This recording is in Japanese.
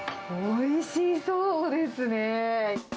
おいしそうですね。